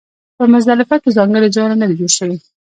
په مزدلفه کې ځانګړي ځایونه نه دي جوړ شوي.